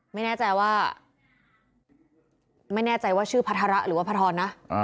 ไม่แน่ใจว่าไม่แน่ใจว่าชื่อพัฒระหรือว่าพระทรนะ